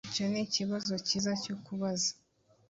Icyo nikibazo cyiza cyo kubaza